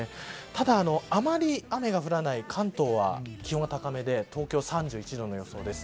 ただ、あまり雨が降らない関東は気温は高めで東京は３１度の予想です。